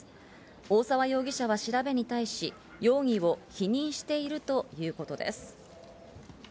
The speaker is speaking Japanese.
大沢容疑者は調べに対し、容疑を否認しているということです。